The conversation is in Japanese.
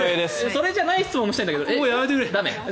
それじゃない質問をしたいんだけど駄目？